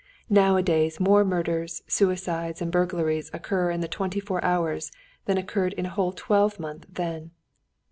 Nowadays more murders, suicides, and burglaries occur in the twenty four hours than occurred in a whole twelvemonth then.